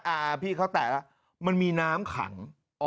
พี่เขาแตะแล้วมันมีน้ำขัง